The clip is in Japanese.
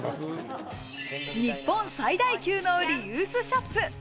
日本最大級のリユースショップ。